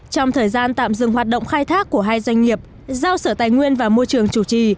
trong thời gian tạm dừng hoạt động khai thác của hai doanh nghiệp giao sở tài nguyên và môi trường chủ trì